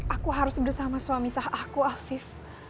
aku harus bersama suami sah aku afif